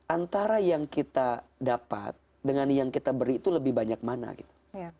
antara yang kita dapat dengan yang kita beri itu lebih banyak mana gitu